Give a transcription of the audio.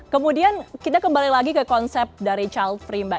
kemudian kita kembali lagi ke konsep dari childfree mbak